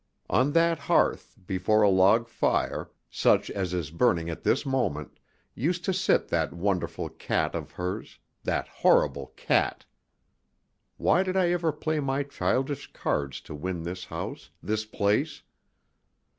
On that hearth, before a log fire, such as is burning at this moment, used to sit that wonderful cat of hers that horrible cat! Why did I ever play my childish cards to win this house, this place?